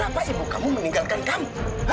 kenapa ibu kamu meninggalkan kamu